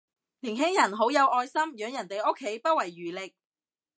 年輕人好有愛心，養人哋屋企不遺餘力